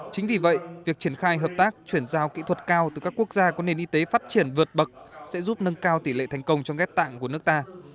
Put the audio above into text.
chính vì vậy việc triển khai hợp tác chuyển giao kỹ thuật cao từ các quốc gia có nền y tế phát triển vượt bậc sẽ giúp nâng cao tỷ lệ thành công cho ghép tạng của nước ta